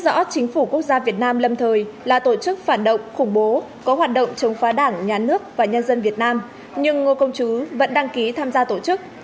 công an hà nam lâm thời là tổ chức phản động khủng bố có hoạt động chống phá đảng nhà nước và nhân dân việt nam nhưng ngô công chứ vẫn đăng ký tham gia tổ chức